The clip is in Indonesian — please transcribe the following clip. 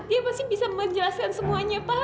dia pasti bisa menjelaskan semuanya pak